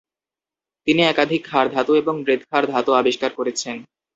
তিনি একাধিক ক্ষার ধাতু এবং মৃৎ ক্ষার ধাতু আবিষ্কার করেছেন।